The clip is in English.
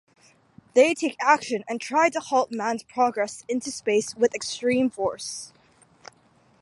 They take action and try to halt man's progress into space with extreme force.